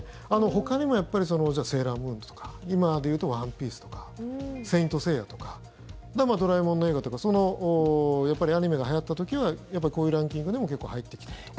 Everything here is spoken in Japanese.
ほかにも「セーラームーン」とか今でいうと「ＯＮＥＰＩＥＣＥ」とか「聖闘士星矢」とか「ドラえもん」の映画とかやっぱりアニメがはやった時はこういうランキングでも結構入ってきていると。